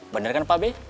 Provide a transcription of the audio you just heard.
bener kan pa be